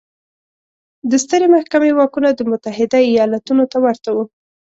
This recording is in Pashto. د سترې محکمې واکونه د متحده ایالتونو ته ورته وو.